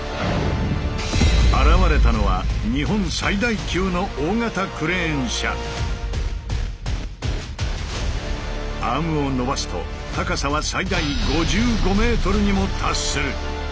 現れたのはアームをのばすと高さは最大５５ｍにも達する。